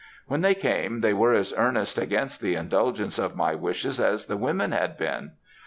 When they came they were as earnest against the indulgence of my wishes as the women had been.